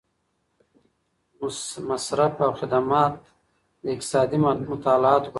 مصرف او خدمات د اقتصادي مطالعاتو برخه ده.